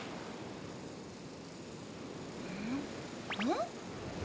ん？